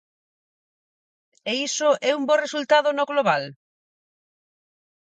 ¿E iso é un bo resultado no global?